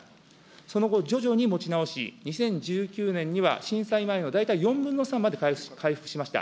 その後、徐々に持ち直し、２０１９年には震災前の大体４分の３まで回復しました。